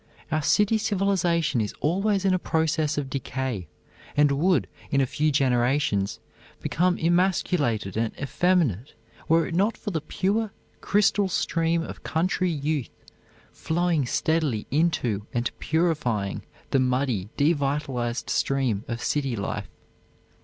Our city civilization is always in a process of decay, and would, in a few generations, become emasculated and effeminate were it not for the pure, crystal stream of country youth flowing steadily into and purifying the muddy, devitalized stream of city life.